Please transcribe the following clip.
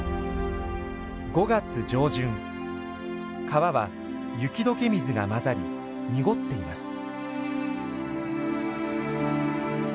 川は雪解け水が混ざり濁っています。